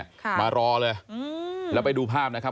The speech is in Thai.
ค่ะมารอเลยอืมแล้วไปดูภาพนะครับ